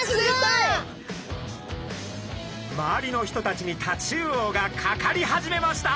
周りの人たちにタチウオがかかり始めました。